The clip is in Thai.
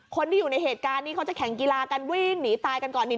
คนที่อยู่ในเหตุการณ์นี้เขาจะแข่งกีฬากันวิ่งหนีตายกันก่อนนี่